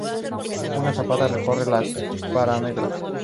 Una zapata recorre los paramentos.